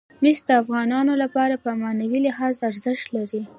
مس د افغانانو لپاره په معنوي لحاظ ارزښت لري.